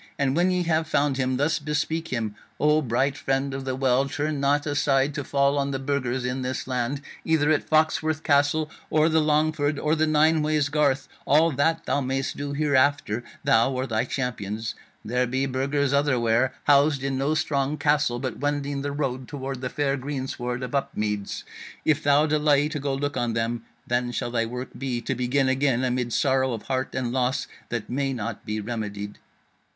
And when ye have found him thus bespeak him: O bright Friend of the Well, turn not aside to fall on the Burgers in this land, either at Foxworth Castle, or the Longford, or the Nineways Garth: all that thou mayest do hereafter, thou or thy champions. There be Burgers otherwhere, housed in no strong castle, but wending the road toward the fair greensward of Upmeads. If thou delay to go look on them, then shall thy work be to begin again amid sorrow of heart and loss that may not be remedied.'